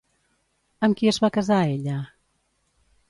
Amb qui es va casar ella?